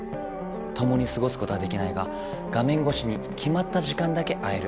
ともにすごすことはできないが画めんごしにきまった時間だけ会える。